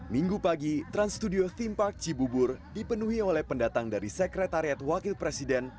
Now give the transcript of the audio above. minggu pagi trans studio theme park cibubur dipenuhi oleh pendatang dari sekretariat wakil presiden